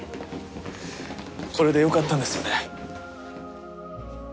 これでよかったんですよね？